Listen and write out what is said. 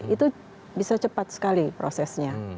itu bisa cepat sekali prosesnya